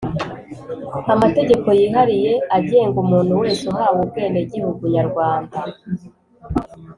amategeko yihariye agenga umuntu wese uhawe ubwenegihugu Nyarwanda